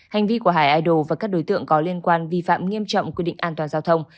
hành vi của hải idol và các đối tượng có liên quan vi phạm nghiêm trọng quy định an toàn giao thông